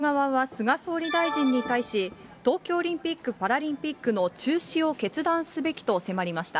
野党側は菅総理大臣に対し、東京オリンピック・パラリンピックの中止を決断すべきと迫りました。